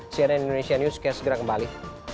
cnn indonesia news kembali